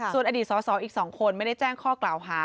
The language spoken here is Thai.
ส่วนอดีตสอสออีก๒คนไม่ได้แจ้งข้อกล่าวหา